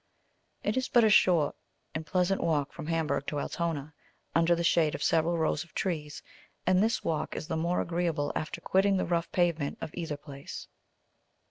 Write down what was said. It is but a short and pleasant walk from Hamburg to Altona, under the shade of several rows of trees, and this walk is the more agreeable after quitting the rough pavement of either place.